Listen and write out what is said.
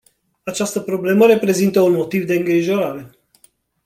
Această problemă reprezintă un motiv de îngrijorare.